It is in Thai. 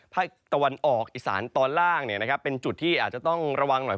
ภาคตะวันออกอีสานตอนล่างเป็นจุดที่อาจจะต้องระวังหน่อย